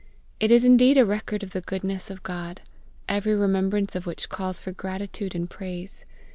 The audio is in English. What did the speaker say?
It is indeed a record of the goodness of GOD, every remembrance of which calls for gratitude and praise.